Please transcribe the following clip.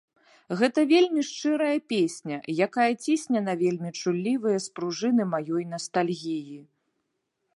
Гэта вельмі шчырая песня, якая цісне на вельмі чуллівыя спружыны маёй настальгіі.